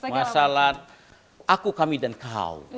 masalah aku kami dan kau